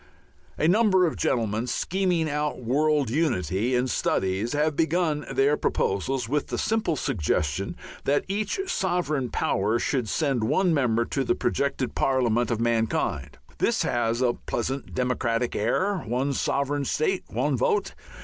A number of gentlemen scheming out world unity in studies have begun their proposals with the simple suggestion that each sovereign power should send one member to the projected parliament of mankind. This has a pleasant democratic air; one sovereign state, one vote.